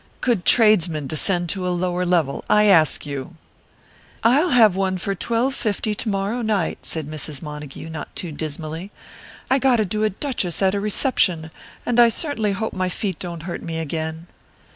Could tradesmen descend to a lower level, I ask you?" "I'll have one for twelve fifty to morrow night," said Mrs. Montague, not too dismally. "I got to do a duchess at a reception, and I certainly hope my feet don't hurt me again."